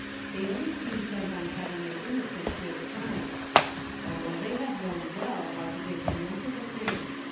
They only seemed bent on having an innocent good time. Oh, they had known well how to get him into the thing.